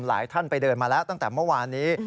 หลายท่านไปเดินมาแล้วตั้งแต่เมื่อวานนี้